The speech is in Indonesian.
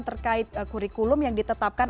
terkait kurikulum yang ditetapkan